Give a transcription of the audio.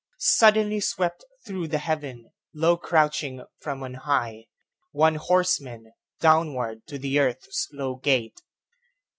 SuddenlySwept through the heaven low crouching from on high, One horseman, downward to the earth's low gate.